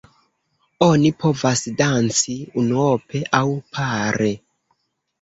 Oni povas danci unuope aŭ pare.